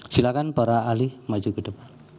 silakan para ahli maju ke depan